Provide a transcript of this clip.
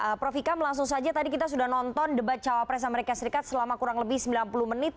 oke prof ikam langsung saja tadi kita sudah nonton debat cawapres amerika serikat selama kurang lebih sembilan puluh menit